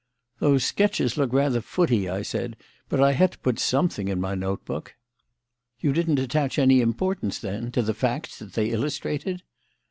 "Those sketches look rather footy," I said; "but I had to put something in my note book." "You didn't attach any importance, then, to the facts that they illustrated?"